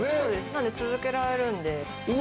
なんで続けられるんで。